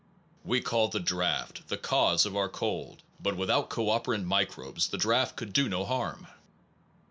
We call the draft, the cause of our cold ; but without co operant microbes the draft could do no harm.